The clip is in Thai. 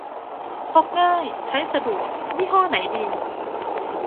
พกง่ายใช้สะดวก ยี่ห้อไหนดี